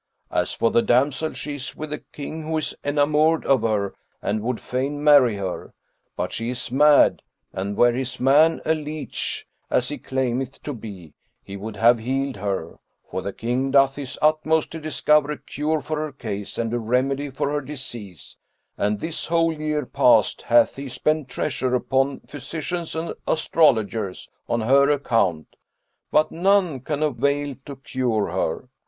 As for the damsel, she is with the King, who is enamoured of her and would fain marry her; but she is mad, and were this man a leach as he claimeth to be, he would have healed her, for the King doth his utmost to discover a cure for her case and a remedy for her disease, and this whole year past hath he spent treasure upon physicians and astrologers, on her account; but none can avail to cure her.